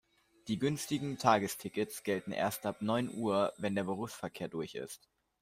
Die günstigen Tagestickets gelten erst ab neun Uhr, wenn der Berufsverkehr durch ist.